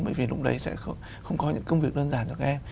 bởi vì lúc đấy sẽ không có những công việc đơn giản cho các em